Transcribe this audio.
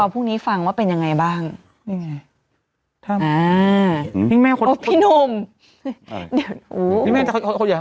เราพรุ่งนี้ฟังว่าเป็นยังไงบ้างนี่ไงอ่าพี่แม่พี่นม